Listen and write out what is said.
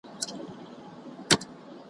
تر اغېز لاندې راځي